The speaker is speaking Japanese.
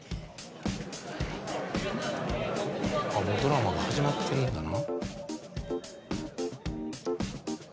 もうドラマが始まってるんだな。